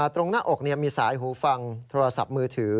ตรงหน้าอกมีสายหูฟังโทรศัพท์มือถือ